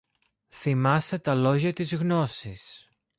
Θυμάσαι τα λόγια της Γνώσης